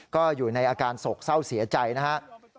ก็อยู่ในอาการโศกเศร้าเสียใจนะครับ